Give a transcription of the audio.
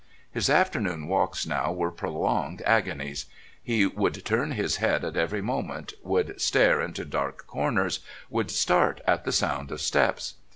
His afternoon walks now were prolonged agonies. He would turn his head at every moment, would stare into dark corners, would start at the sound of steps.